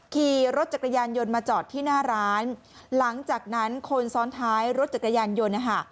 ขี่รถจักรยานยนต์มาจอดที่หน้าร้านหลังจากนั้นคนซ้อนท้ายรถจักรยานยนต์นะคะ